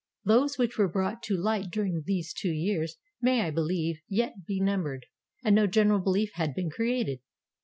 Those which were brought to light during these two years may I beheve yet be num bered, and no general behef had been created.